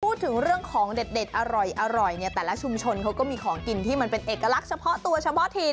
พูดถึงเรื่องของเด็ดอร่อยเนี่ยแต่ละชุมชนเขาก็มีของกินที่มันเป็นเอกลักษณ์เฉพาะตัวเฉพาะถิ่น